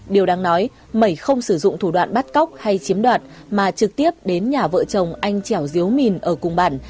điều đáng nói mẩy không sử dụng thủ đoạn bắt cóc hay chiếm đoạt mà trực tiếp đến nhà vợ chồng anh chẻo diếu mìn ở cùng bản